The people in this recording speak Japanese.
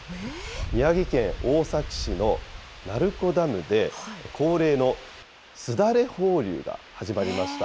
宮城県大崎市の鳴子ダムで、恒例のすだれ放流が始まりました。